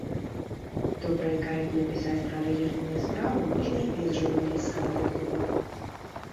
Добра і карэктна пісаць пра рэлігійныя справы можна і без журналісцкага дыплома.